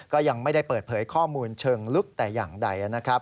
ก็ยังไม่ได้เปิดเผยข้อมูลเชิงลึกแต่อย่างใดนะครับ